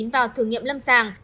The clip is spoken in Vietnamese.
vào thử nghiệm lâm sàng